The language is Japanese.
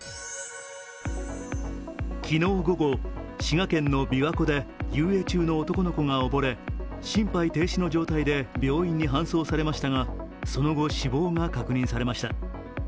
昨日午後、滋賀県のびわ湖で遊泳中の男の子が溺れ、心肺停止の状態で病院に搬送されましたがその後、死亡が確認されました。